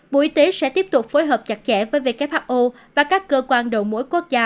bộ y tế sẽ tiếp tục phối hợp chặt chẽ với who và các cơ quan đầu mối quốc gia